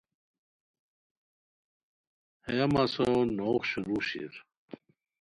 ہییہ مسو نوغ شروع شیر